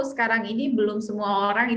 sekarang ini belum semua orang